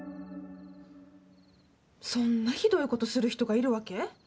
そんなひどいことする人がいるわけ？